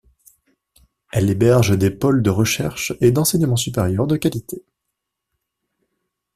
Elle héberge des pôles de recherches et d'enseignement supérieur de qualité.